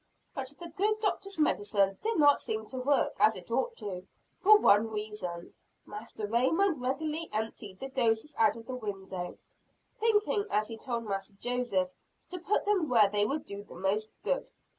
But the good Doctor's medicine did not seem to work as it ought to for one reason, Master Raymond regularly emptied the doses out of the window; thinking as he told Master Joseph, to put them where they would do the most good.